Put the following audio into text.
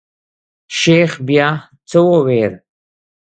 شيخ بيا څه وويل.